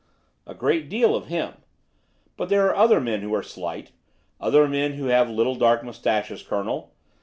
"A great deal of him. But there are other men who are slight, other men who have little dark moustaches, Colonel.